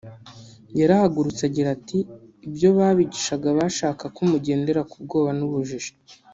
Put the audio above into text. yarahagurutse agira ati “Ibyo babigisha bashaka ko mugendera ku bwoba n’ubujiji’’